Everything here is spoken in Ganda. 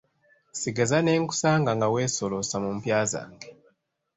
Sigeza ne nkusanga nga weesolosa mu mpya zange.